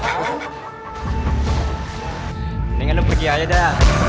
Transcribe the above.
mendingan lo pergi aja dah